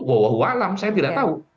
wah walaum saya tidak tahu